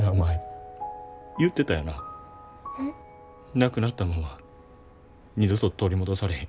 なくなったもんは二度と取り戻されへん。